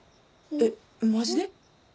えっマジで？